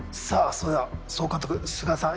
それでは総監督須賀さん